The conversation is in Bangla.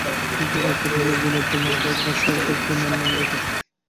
গোরা কহিল, বিনয়, তোমার বাপ-মা সার্থক তোমার নাম রেখেছিলেন।